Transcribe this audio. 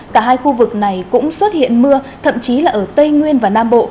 cả hai khu vực này cũng xuất hiện mưa thậm chí là ở tây nguyên và nam bộ